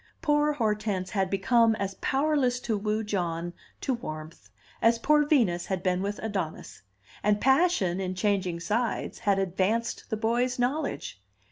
Poor Hortense had become as powerless to woo John to warmth as poor Venus had been with Adonis; and passion, in changing sides, had advanced the boy's knowledge.